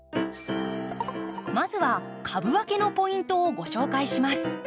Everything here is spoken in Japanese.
まずは株分けのポイントをご紹介します。